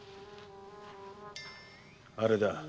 〔あれだ。